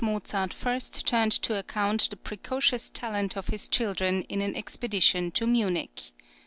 Mozart first turned to account the precocious talent of his children in an expedition to Munich.